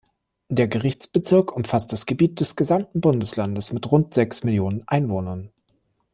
Der Gerichtsbezirk umfasst das Gebiet des gesamten Bundeslandes mit rund sechs Millionen Einwohnern.